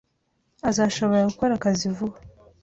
Azashobora gukora akazi vuba